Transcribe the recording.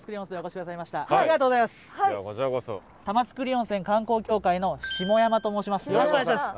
玉造温泉観光協会の下山と申します。